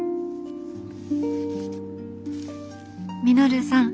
「稔さん。